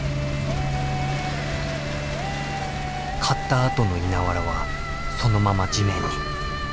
刈ったあとの稲わらはそのまま地面に。